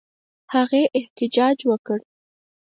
هغې احتجاج وکړ.